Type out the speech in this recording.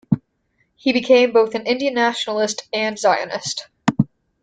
He became both an Indian nationalist and Zionist.